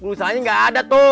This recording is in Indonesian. usahanya gak ada tuh